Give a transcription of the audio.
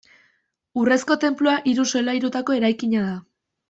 Urrezko tenplua hiru solairutako eraikina da.